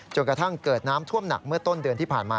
กระทั่งเกิดน้ำท่วมหนักเมื่อต้นเดือนที่ผ่านมา